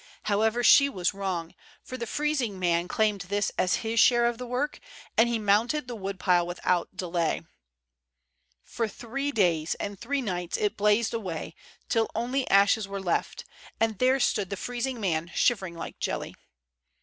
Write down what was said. However, she was wrong, for the freezing man claimed this as his share of the work, and he mounted the woodpile without delay. For three days and three nights it blazed away, till only ashes were left, and there stood the freezing man shivering like a jelly.